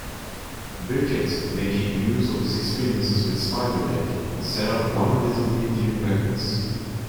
Birkett, making use of his experiences with Spiderleg, set up One Little Indian Records.